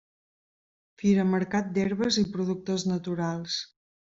Fira Mercat d'Herbes i Productes Naturals.